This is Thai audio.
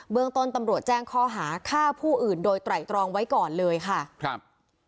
เมืองต้นตำรวจแจ้งข้อหาฆ่าผู้อื่นโดยไตรตรองไว้ก่อนเลยค่ะครับ